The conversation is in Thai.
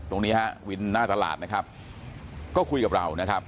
ตรงนี้ฮะวินหน้าตลาดนะครับก็คุยกับเรานะครับ